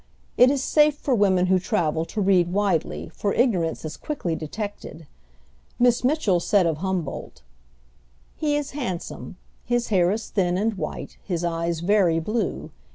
It is safe for women who travel to read widely, for ignorance is quickly detected. Miss Mitchell said of Humboldt: "He is handsome his hair is thin and white, his eyes very blue.